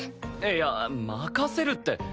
いや任せるって。